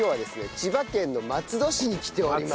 千葉県の松戸市に来ております。